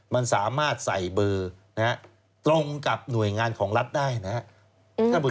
มันสามารถใส่เบอร์นะฮะตรงกับหน่วยงานของรัฐได้นะครับ